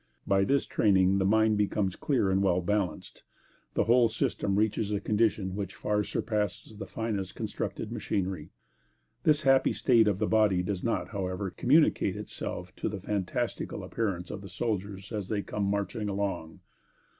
By this training, the mind becomes clear and well balanced, and the whole system reaches a condition which far surpasses the finest constructed machinery. This happy state of the body does not, however, communicate itself to the fantastical appearance of the soldiers as they come marching along.